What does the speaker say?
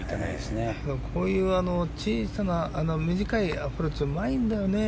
こういう小さな短いアプローチがうまいんだよね。